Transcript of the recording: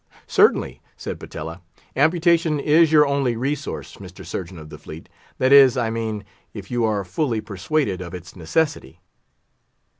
"Certainly," said Patella, "amputation is your only resource, Mr. Surgeon of the Fleet; that is, I mean, if you are fully persuaded of its necessity."